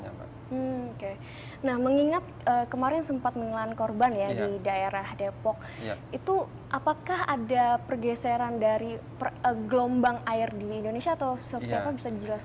nah mengingat kemarin sempat mengelan korban di daerah depok apakah ada pergeseran dari gelombang air di indonesia